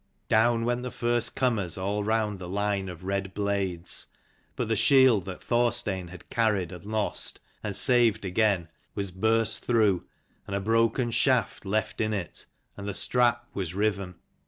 Down went the first comers all round the line of red blades: but the shield that Thorstein had carried, and lost, and saved again, was burst through, and a broken shaft left in it, and the strap was riven.